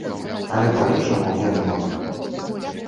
Але па-іншаму я не магу.